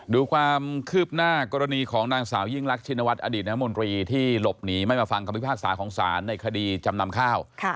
ดูความคืบหน้ากรณีของนางสาวยิ่งรักชินวัฒนอดีตน้ำมนตรีที่หลบหนีไม่มาฟังคำพิพากษาของศาลในคดีจำนำข้าว